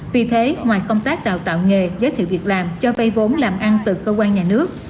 vì thế ngoài công tác đào tạo nghề giới thiệu việc làm cho vay vốn làm ăn từ cơ quan nhà nước